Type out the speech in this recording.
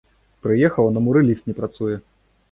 Прыехаў, а на муры ліфт не працуе!